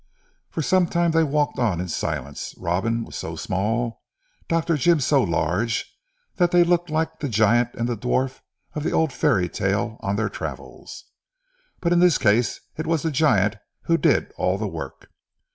For some time they walked on in silence. Robin was so small, Dr. Jim so large, that they looked like the giant and dwarf of the old fairy tale on their travels. But in this case it was the giant who did all the work.